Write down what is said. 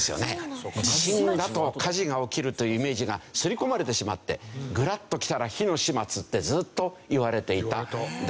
地震だと火事が起きるというイメージが刷り込まれてしまって「グラッときたら火の始末」ってずっといわれていたんですね。